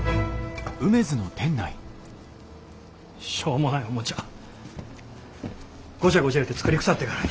しょうもないおもちゃゴチャゴチャ言うて作りくさってからに。